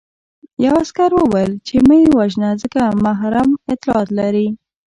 یوه عسکر وویل چې مه یې وژنه ځکه محرم اطلاعات لري